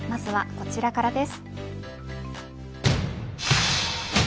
まずはこちらからです。